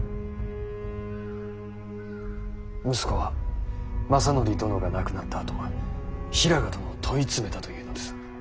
息子は政範殿が亡くなったあと平賀殿を問い詰めたというのです。